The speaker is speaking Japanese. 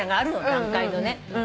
段階のね。